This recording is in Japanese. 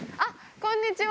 こんにちは。